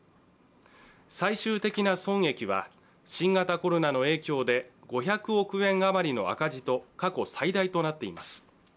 最終的な損益は新型コロナの影響で５００億円余りの赤字と過去最大となっています。